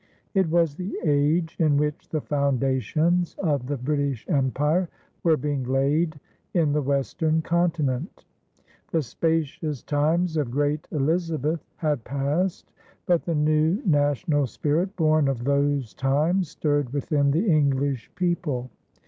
It was the age in which the foundations of the British Empire were being laid in the Western Continent. The "spacious times of great Elizabeth" had passed, but the new national spirit born of those times stirred within the English people.